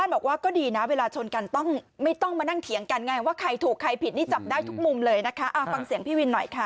อันนี้จับได้ทุกมุมเลยนะคะเอาฟังเสียงพี่วินหน่อยค่ะ